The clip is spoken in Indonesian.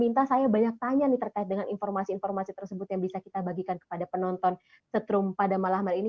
minta saya banyak tanya nih terkait dengan informasi informasi tersebut yang bisa kita bagikan kepada penonton setrum pada malam hari ini